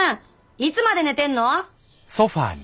いつまで寝てんの？